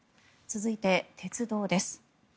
続いて、鉄道です。